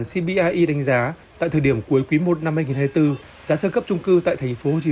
của cia đánh giá tại thời điểm cuối quý i năm hai nghìn hai mươi bốn giá sơ cấp trung cư tại thành phố hồ chí